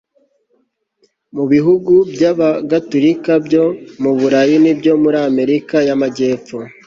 mu bihugu byAbagatulika byo mu Burayi nibyo muri Amerika yamajyepfo